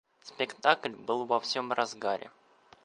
Спектакль был во всем разгаре.